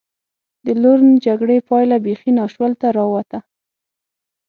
د لورن جګړې پایله بېخي ناشولته را ووته.